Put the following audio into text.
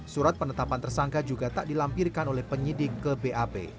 surat penetapan tersangka juga tak dilampirkan oleh penyidik ke bap